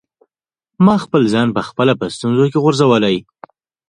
ما خپل ځان په خپله په ستونزو کي غورځولی.